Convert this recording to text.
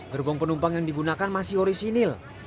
gerbong penumpang yang digunakan masih orisinil